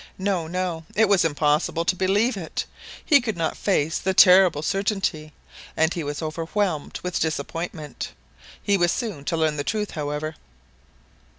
No, no, it was impossible to believe it; he could not face the terrible certainty, and he was overwhelmed with disappointment. He was soon to learn the truth, however.